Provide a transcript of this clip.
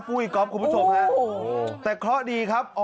ปุ้ยกรอบคุณประสบค่ะโอ้โหแต่เคราะห์ดีครับอ๋อ